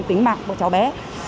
một tính mạng của cháu bé